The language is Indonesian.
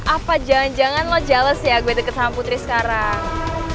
apa jangan jangan lo challes ya gue deket sama putri sekarang